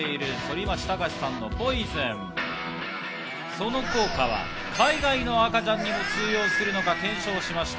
その効果は海外の赤ちゃんにも通用するのか検証しました。